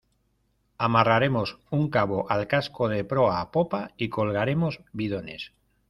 amarraremos un cabo al casco de proa a popa y colgaremos bidones